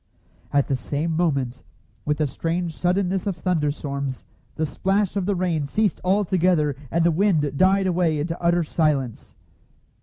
At the same moment, with the strange suddenness of thunderstorms, the splash of the rain ceased altogether, and the wind died away into utter silence.